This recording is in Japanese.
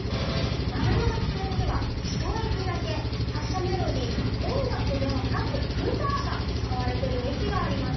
丸ノ内線にはひと駅だけ発車メロディに音楽ではなくブザーが使われてる駅があります。